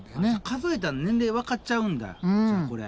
数えたら年齢わかっちゃうんだじゃあこれ。